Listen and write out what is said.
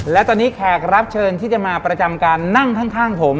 และตอนนี้แขกรับเชิญที่จะมาประจำการนั่งข้างผม